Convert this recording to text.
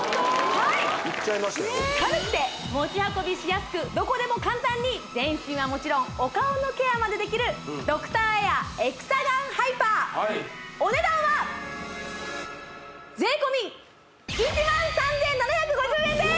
はい軽くて持ち運びしやすくどこでも簡単に全身はもちろんお顔のケアまでできるドクターエアエクサガンハイパーお値段は税込１万３７５０円です